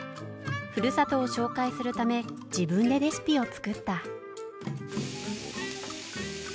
ふるさとを紹介するため自分でレシピを作った。